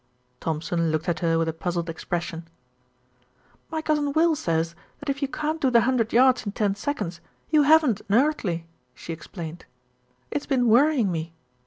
Thompson looked at her with a puzzled expression. "My cousin Will says that if you can't do the hundred yards in ten seconds you haven't an earthly," she explained. "It's been worrying me.